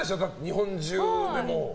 日本中でもう。